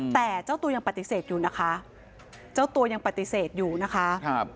แต่เจ้าตัวยังปฏิเสธอยู่นะคะ